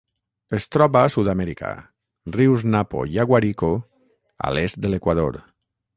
Es troba a Sud-amèrica: rius Napo i Aguarico a l'est de l'Equador.